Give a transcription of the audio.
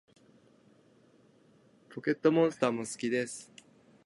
ポケットモンスターも好きです